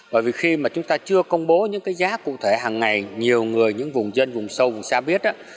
bởi vì khi mà chúng ta chưa công bố những cái giá cụ thể hàng ngày nhiều người những vùng dân vùng sâu vùng xa biết đó